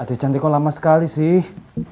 aduh contoh gini ada dungunya di lavikasi tuh